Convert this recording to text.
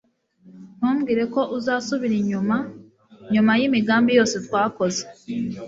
ntumbwire ko uzasubira inyuma nyuma yimigambi yose twakoze